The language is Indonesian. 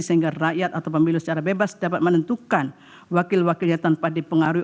sehingga rakyat atau pemilu secara bebas dapat menentukan wakil wakilnya tanpa dipengaruhi